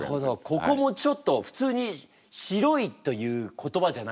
ここもちょっと普通に「白い」という言葉じゃなくてあえて。